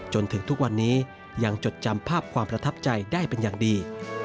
จนถึงทุกวันนี้ยังจดจำภาพความประทับใจได้เป็นอย่างดี